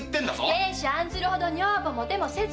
「亭主案ずるほど女房もてもせず」よ。